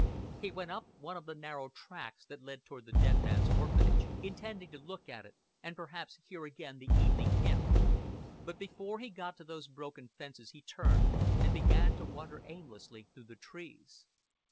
He went up one of the narrow tracks that led toward the dead man's Orphanage, intending to look at it and perhaps hear again the evening hymn; but before he got to those broken fences he turned and began to wander aimlessly through the trees.